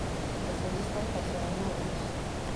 Elle s’en distingue par ses rameaux ramifiés.